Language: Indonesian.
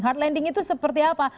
hard landing itu seperti apa